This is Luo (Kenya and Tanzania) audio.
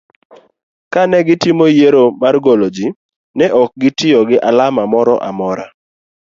kane gitimo yiero mar golo jii, ne ok gitiyo gi alama moro amor